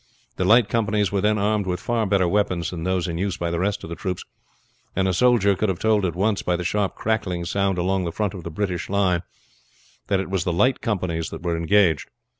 The light companies were then armed with far better weapons than those in use by the rest of the troops, and a soldier could have told at once by the sharp crackling sound along the front of the British line that it was the light companies that were engaged.